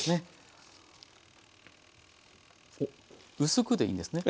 薄くでいいんですね？